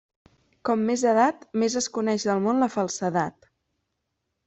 Com més edat, més es coneix del món la falsedat.